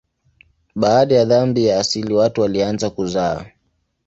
Baada ya dhambi ya asili watu walianza kuzaa.